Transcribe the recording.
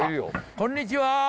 こんにちは。